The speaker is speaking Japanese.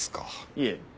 いえ。